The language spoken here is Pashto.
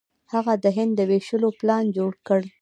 هغه د هند د ویشلو پلان جوړ کړ.